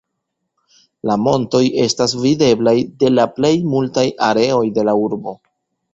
La montoj estas videblaj de la plej multaj areoj de la urbo.